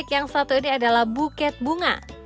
yang satu ini adalah buket bunga